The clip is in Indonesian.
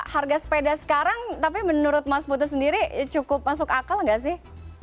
harga sepeda sekarang tapi menurut mas putu sendiri cukup masuk akal nggak sih